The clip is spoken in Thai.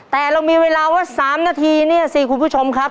แต่เรามีเวลาว่า๓นาทีเนี่ยสิคุณผู้ชมครับ